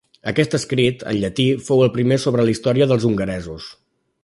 Aquest escrit, en llatí, fou el primer sobre la història dels hongaresos.